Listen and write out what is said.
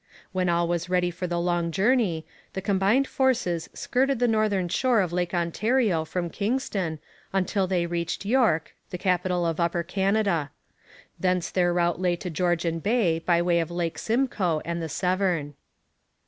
When all was ready for the long journey, the combined forces skirted the northern shore of Lake Ontario from Kingston, until they reached York, the capital of Upper Canada. Thence their route lay to Georgian Bay by way of Lake Simcoe and the Severn.